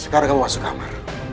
sekarang kamu masuk kamar